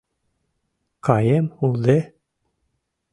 — Каем улде?